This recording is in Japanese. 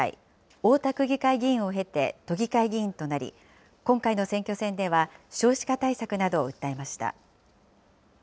大田区議会議員を経て都議会議員となり、今回の選挙戦では少子化対策などを訴えました。